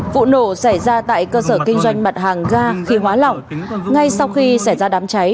vụ nổ xảy ra tại cơ sở kinh doanh mặt hàng ga khí hóa lỏng ngay sau khi xảy ra đám cháy